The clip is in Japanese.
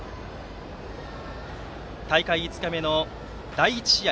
大会５日目の第１試合。